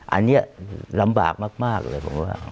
อันนี้ลำบากมากเลยผมว่า